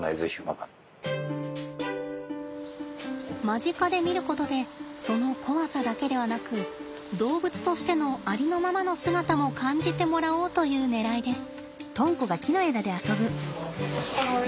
間近で見ることでその怖さだけではなく動物としてのありのままの姿も感じてもらおうというねらいです。